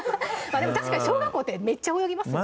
確かに小学校ってめっちゃ泳ぎますよね